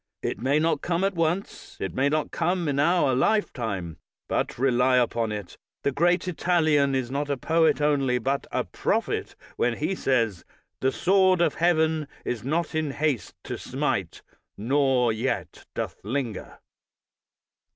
It may not come at once, it may not come in our lifetime ; but rely upon it, the great Italian is not a poet only, but a prophet, when he says: "The sword of heaven is not in haste to smite, Nor yet doth linger."